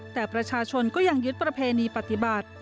แต่ประชาชนก็ยังยึดประเพณีปฏิบัติ